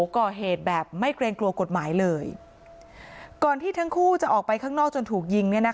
ก่อเหตุแบบไม่เกรงกลัวกฎหมายเลยก่อนที่ทั้งคู่จะออกไปข้างนอกจนถูกยิง